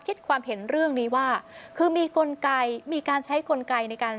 คิดความเห็นเรื่องนี้ว่าคือมีกลไกมีการใช้กลไกในการ